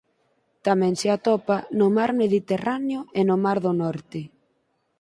Tamén se atopa no mar Mediterráneo e no mar do Norte.